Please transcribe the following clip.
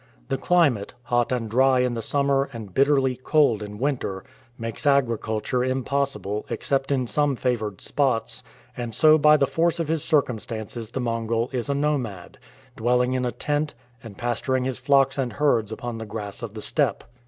The climate, hot and dry in summer and bitterly cold in winter, makes agriculture im possible except in some favoured spots, and so by the force of his circumstances the Mongol is a nomad, dwell ing in a tent, and pasturing his flocks and herds upon the grass of the steppe.